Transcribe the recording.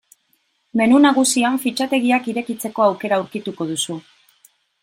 Menu nagusian fitxategiak irekitzeko aukera aurkituko duzu.